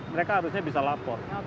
mereka harusnya bisa lapor